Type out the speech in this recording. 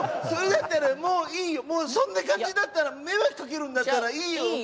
それだったらもういいよもうそんな感じだったら迷惑かけるんだったらいいよ